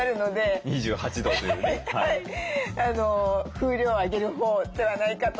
風量を上げるほうではないかと。